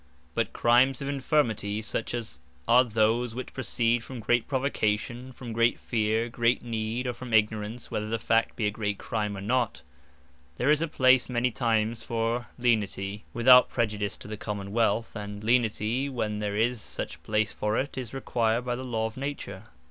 But Crimes of Infirmity; such as are those which proceed from great provocation, from great fear, great need, or from ignorance whether the Fact be a great Crime, or not, there is place many times for Lenity, without prejudice to the Common wealth; and Lenity when there is such place for it, is required by the Law of Nature.